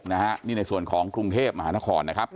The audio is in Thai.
นี่ในส่วนของกรุงเทพฯมหานคร